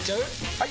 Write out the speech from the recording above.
・はい！